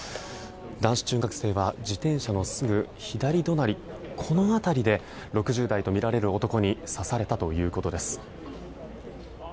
男子中学生は自転車のすぐ左隣この辺りで６０代とみられる男に刺されたということです。